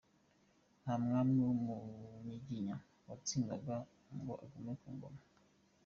Nta Mwami w’Umunyiginya watsindwaga ngo agumane Ingoma.